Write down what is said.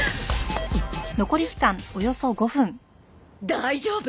大丈夫。